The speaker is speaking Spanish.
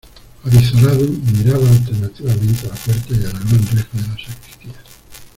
avizorado miraba alternativamente a la puerta y a la gran reja de la sacristía.